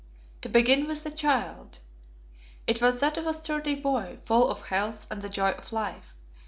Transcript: To begin with the child. It was that of a sturdy boy, full of health and the joy of life.